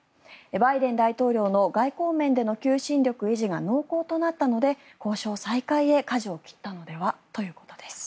バイデン大統領の外交面での求心力維持が濃厚となったので交渉再開へかじを切ったのではということです。